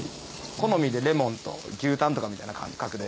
好みでレモンと牛タンとかみたいな感覚で。